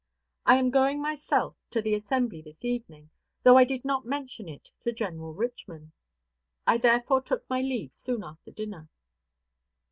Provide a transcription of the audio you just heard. I am going myself to the assembly this evening, though I did not mention it to General Richman. I therefore took my leave soon after dinner.